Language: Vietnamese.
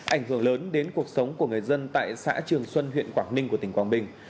ảnh hưởng lớn đến cuộc sống của người dân tại xã trường xuân huyện quảng ninh của tỉnh quảng bình